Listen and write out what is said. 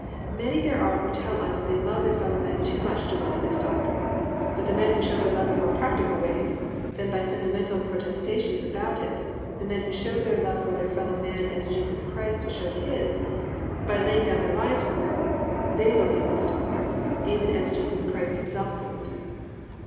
Many there are who tell us they love their fellow men too much to believe this doctrine; but the men who show their love in more practical ways than by sentimental protestations about it, the men who show their love for their fellow men as Jesus Christ showed His, by laying down their lives for them, they believe this doctrine, even as Jesus Christ Himself believed it.